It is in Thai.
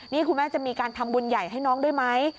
นี่คุณแม่จะมีการทำบุญใหญ่ให้น้องด้วยไหม